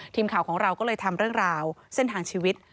ทีมข่าวของเราก็เลยทำเรื่องราวเส้นทางชีวิต